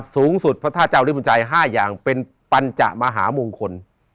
สูงสุดพระธาตุธริปุ่นใจ๕อย่างเป็นปัญจมหามงคล